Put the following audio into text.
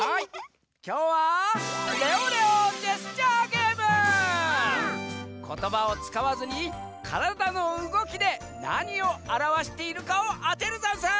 きょうはことばをつかわずにからだのうごきでなにをあらわしているかをあてるざんす！